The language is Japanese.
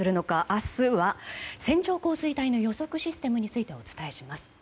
あすは線状降水帯の予測システムについてお伝えします。